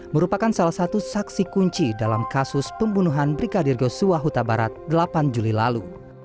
merupakan salah satu saksi kunci dalam kasus pembunuhan brigadir yosua huta barat delapan juli lalu